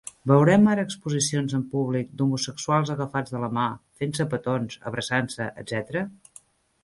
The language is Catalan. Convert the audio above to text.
Veurem ara exposicions en públic d'homosexuals agafats de la mà, fent-se petons, abraçant-se, etc?